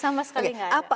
sama sekali nggak ada